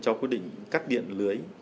cho quyết định cắt điện lưới